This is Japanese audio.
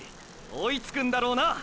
追いつくんだろうな！！